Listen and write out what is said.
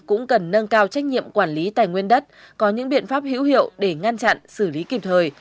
cũng cần nâng cao trách nhiệm quản lý tài nguyên đất có những biện pháp hữu hiệu để ngăn chặn xử lý kịp thời